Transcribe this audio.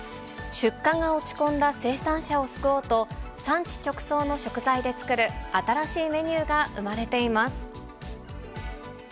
出荷が落ち込んだ生産者を救おうと、産地直送の食材で作る新しいメニューが生まれています。